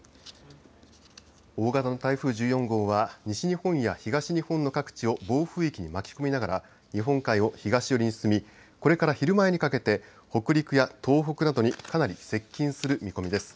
大型の台風１４号は西日本や東日本の各地を暴風域に巻き込みながら日本海を東寄りに進みこれから昼前にかけて北陸や東北などにかなり接近する見込みです。